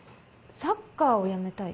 サッカーをやめたい？